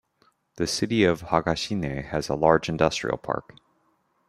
The city of Higashine has a large industrial park.